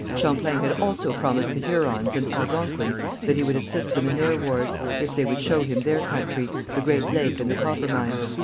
Champlain had also promised the Hurons and Algonquins that he would assist them in their wars, if they would show him their country, the great lake and the copper mines.